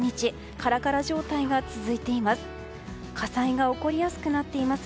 カラカラ状態が続いています。